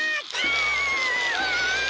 うわ！